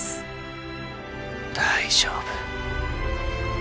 大丈夫。